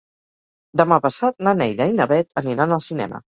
Demà passat na Neida i na Bet aniran al cinema.